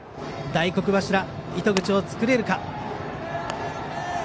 大黒柱、糸口を作れるか。